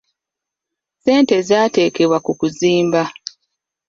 Ssente zaateekebwa ku kuzimba.